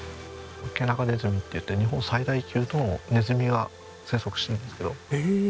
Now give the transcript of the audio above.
ケナガネズミっていって日本最大級のネズミが生息しているんですけど。